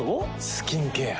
スキンケア。